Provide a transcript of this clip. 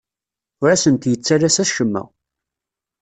Ur asent-yettalas acemma.